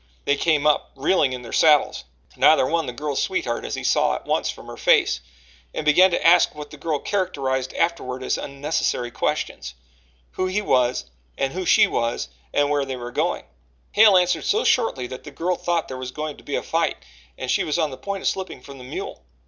They came up, reeling in their saddles neither one the girl's sweetheart, as he saw at once from her face and began to ask what the girl characterized afterward as "unnecessary questions": who he was, who she was, and where they were going. Hale answered so shortly that the girl thought there was going to be a fight, and she was on the point of slipping from the mule.